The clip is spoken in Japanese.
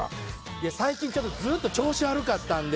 いや最近ちょっとずっと調子悪かったんで。